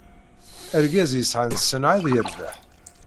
Argaz yesɛan ṣṣenɛa ad yerbeḥ.